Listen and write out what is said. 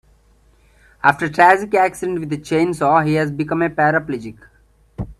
After a tragic accident with a chainsaw he has become a paraplegic.